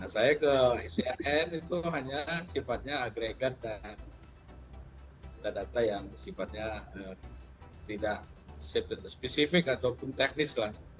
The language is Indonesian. saya ke cnn itu hanya sifatnya agregat dan data data yang sifatnya tidak spesifik ataupun teknis lah